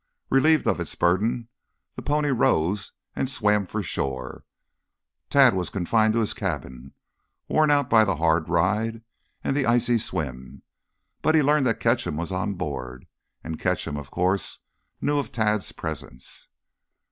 Relieved of its burden, the pony rose and swam for shore. Tad was confined to his cabin, worn out by the hard ride and the icy swim. But he learned that Ketcham was on board, and Ketcham, of course, knew of Tad's presence.